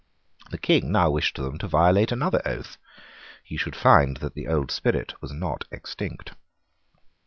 The King now wished them to violate another oath. He should find that the old spirit was not extinct.